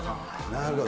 なるほど。